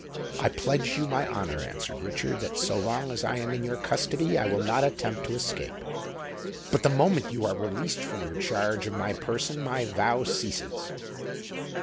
"I pledge you my honour," answered Richard, "that so long as I am in your custody, I will not attempt to escape. But the moment you are released from your charge of my person, my vow ceases."